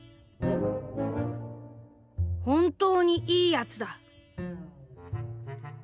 「本当に『いいやつ』だ」。